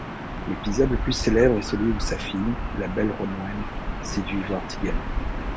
L'épisode le plus célèbre est celui où sa fille, la belle Ronwen, séduit Vortigern.